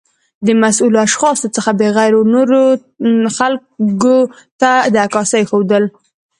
د مسؤلو اشخاصو څخه بغیر و نورو خلګو ته د عکاسۍ ښودل